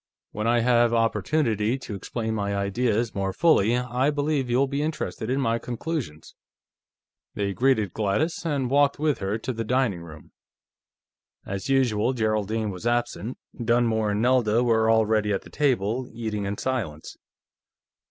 When I have opportunity to explain my ideas more fully, I believe you will be interested in my conclusions." They greeted Gladys, and walked with her to the dining room. As usual, Geraldine was absent; Dunmore and Nelda were already at the table, eating in silence.